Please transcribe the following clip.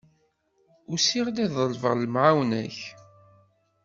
Usiɣ-d ad ḍelbeɣ lemεawna-k.